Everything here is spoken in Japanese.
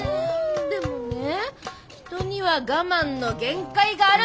でもね人には我慢の限界があるんだよ！